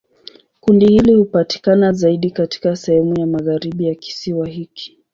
Kundi hili hupatikana zaidi katika sehemu ya magharibi ya kisiwa hiki.